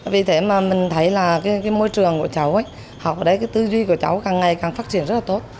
vì thế mà mình thấy là cái môi trường của cháu ấy học ở đây cái tư duy của cháu càng ngày càng phát triển rất là tốt